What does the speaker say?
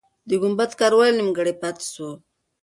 د ګمبد کار ولې نیمګړی پاتې سو؟